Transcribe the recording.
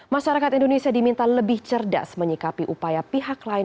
masyarakat indonesia diminta lebih cerdas menyikapi upaya pihak lain